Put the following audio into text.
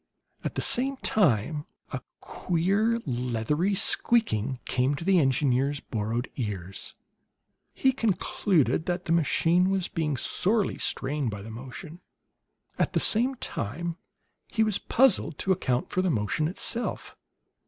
At the same time a queer, leathery squeaking came to the engineer's borrowed ears; he concluded that the machine was being sorely strained by the motion. At the time he was puzzled to account for the motion itself.